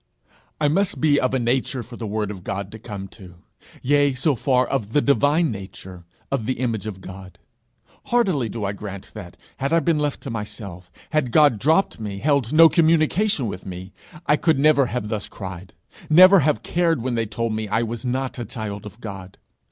I must be of a nature for the word of God to come to yea, so far, of the divine nature, of the image of God! Heartily do I grant that, had I been left to myself, had God dropped me, held no communication with me, I could never have thus cried, never have cared when they told me I was not a child of God.